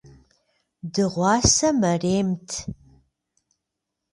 Dığuase merêmt.